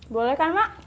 boleh kan mak